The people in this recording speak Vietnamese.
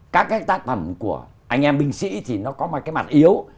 các cái tác phẩm của anh em binh sĩ thì nó có một cái mặt yếu